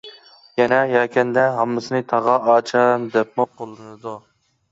يەنە يەكەندە ھاممىسىنى «تاغا ئاچام» دەپمۇ قوللىنىدۇ.